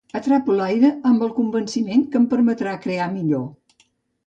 Atrapo l'aire amb el convenciment que em permetrà crear millor.